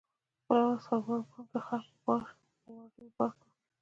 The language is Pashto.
بله ورځ خروار وړونکي خر په وړیو بار کړ.